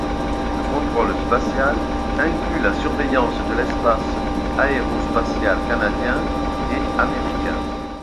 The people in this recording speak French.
Le contrôle spatial inclut la surveillance de l'espace aérospatial canadien et américain.